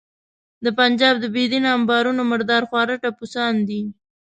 د پنجاب د بې دینه امبارونو مردار خواره ټپوسان دي.